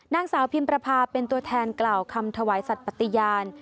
นางสาวพิมประพาเป็นตัวแทนกล่าวคำถวายสัตว์ปฏิญาณ